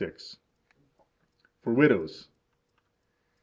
For Widows.